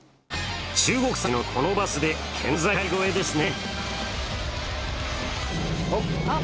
中国山地のど真ん中このバスで県境越えですね。